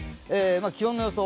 気温の予想。